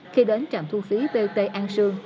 khi đến trạm thu phí vt an sương